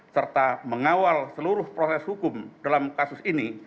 serta mengawal seluruh proses hukum dalam kasus ini